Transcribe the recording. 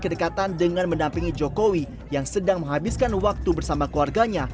kedekatan dengan mendampingi jokowi yang sedang menghabiskan waktu bersama keluarganya